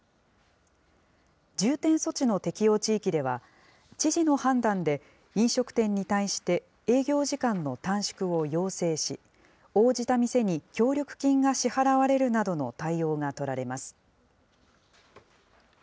重点措置の適用地域では、知事の判断で、飲食店に対して営業時間の短縮を要請し、応じた店に協力金が支払われるなどの対応が取られます。